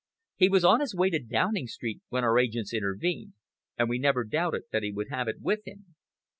He was on his way to Downing Street when our agents intervened, and we never doubted that he would have it with him.